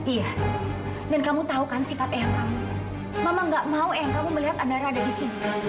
iya dan kamu tahu kan sifat ehang kamu mama nggak mau ehang kamu melihat andara ada di sini